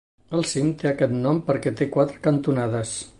El cim té aquest nom perquè té quatre cantonades.